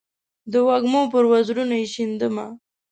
د وږمو پر وزرونو یې شیندمه